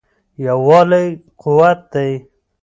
یووالی قوت دی.